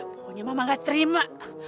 pokoknya mama gak terima